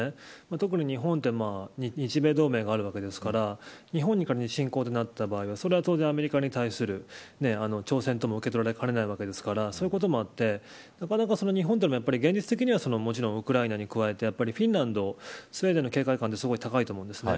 特に、日本は日米同盟があるわけですから日本に仮に侵攻となった場合それは当然アメリカに対する挑戦とも受け取られかねないわけですからそういうこともあってなかなか日本でも現実的なウクライナに加えてフィンランドやスウェーデンの警戒感は高いと思うんです。